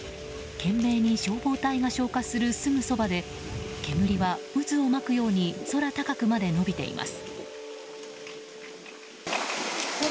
懸命に消防隊が消火するすぐそばで煙は、渦を巻くように空高くまで延びています。